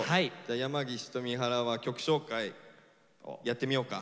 山岸と三原は曲紹介やってみようか。